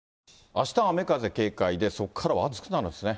あした、雨風警戒で、そこからは暑くなるんですね。